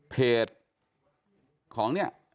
เพจของเนี่ย